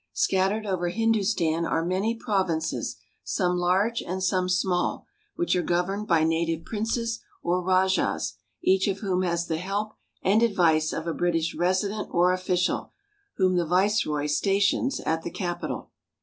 Scattered over Hindustan are many provinces, some large and some small, which are governed by native princes or rajahs, each of whom has the help and advice of a British resident or official, whom the Viceroy stations at the capital.